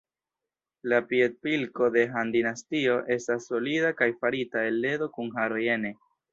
La piedpilko de Han-dinastio estas solida kaj farita el ledo kun haroj ene.